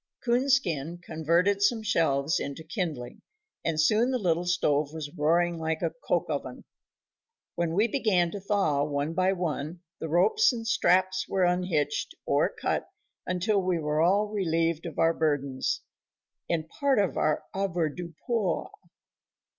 Coonskin converted some shelves into kindling, and soon the little stove was roaring like a coke oven. When we began to thaw, one by one the ropes and straps were unhitched, or cut, until we were all relieved of our burdens and part of our avoirdupois.